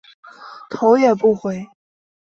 头也不回